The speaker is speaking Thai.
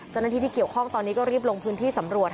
เจ้าหน้าที่ที่เกี่ยวข้องตอนนี้ก็รีบลงพื้นที่สำรวจ